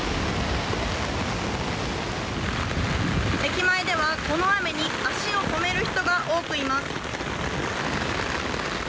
駅前ではこの雨に足を止める人が多くいます。